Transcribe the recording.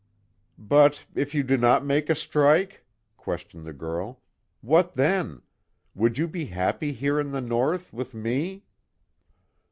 "But, if you do not make a strike?" questioned the girl, "What then? Would you be happy here in the North with me?"